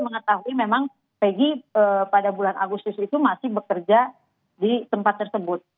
mengetahui memang pegi pada bulan agustus itu masih bekerja di tempat tersebut